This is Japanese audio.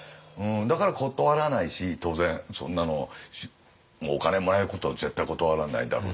だから断らないし当然そんなのお金もらえることを絶対断らないだろうしね。